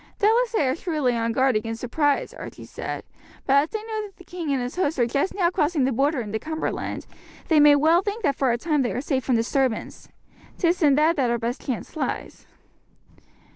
"Doubtless they are shrewdly on guard against surprise," Archie said; "but as they know that the king and his host are just now crossing the Border into Cumberland, they may well think that for a time they are safe from disturbance. 'Tis in that that our best chance lies."